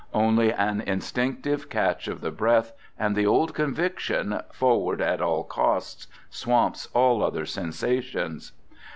Only an instinctive catch of the breath, and the old conviction — forward at all costs — swamps all other sensations.